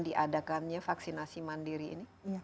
diadakannya vaksinasi mandiri ini